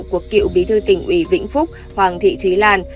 của cựu bí thư tỉnh ủy vĩnh phúc hoàng thị thúy lan